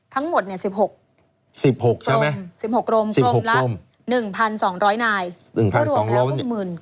ทั้งหมด๑๖กรมและ๑๒๐๐นาย